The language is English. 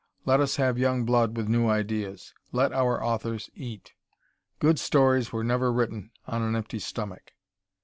Let us have young blood with new ideas. Let our authors eat. Good stories were never written on an empty stomach.